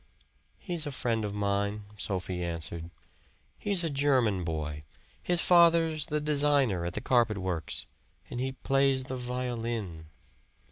"He's a friend of mine," Sophie answered. "He's a German boy. His father's the designer at the carpet works. And he plays the violin."